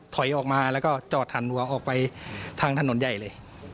ถอยออกมาแล้วก็จอดหันหัวออกไปทางถนนใหญ่เลย